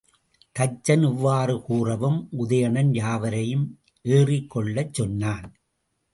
தச்சன் இவ்வாறு கூறவும் உதயணன் யாவரையும் ஏறிக்கொள்ளச் சொன்னான்.